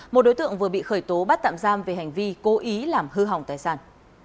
một đối tượng vừa bị khởi tố bắt tạm giam về hành vi cố ý làm hư hỏng tài sản